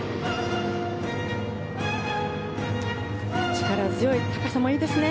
力強い、高さもいいですね。